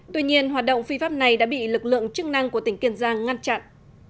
tuy nhiên hoạt động phi pháp này đã bị lực lượng chức năng của tỉnh kiên giang ngăn chặn